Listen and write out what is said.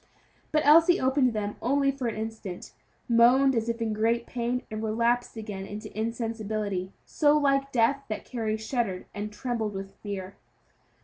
But Elsie opened them only for an instant, moaned as if in great pain, and relapsed again into insensibility, so like death that Carry shuddered and trembled with fear.